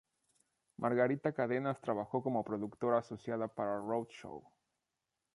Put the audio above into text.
Margarita Cadenas trabajó como productora asociada para Roadshow.